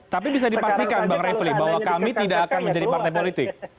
tapi bisa dipastikan bang refli bahwa kami tidak akan menjadi partai politik